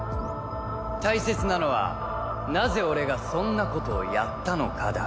大切なのは「なぜ俺がそんなことをやったのか」だ。